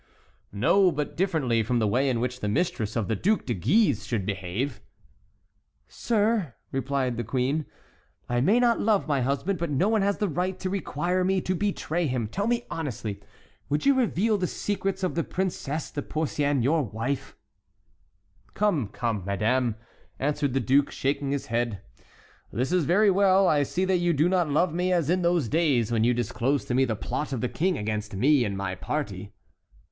"No; but differently from the way in which the mistress of the Duc de Guise should behave." "Sir," replied the queen, "I may not love my husband, but no one has the right to require me to betray him. Tell me honestly: would you reveal the secrets of the Princesse de Porcian, your wife?" "Come, come, madame," answered the duke, shaking his head, "this is very well; I see that you do not love me as in those days when you disclosed to me the plot of the King against me and my party."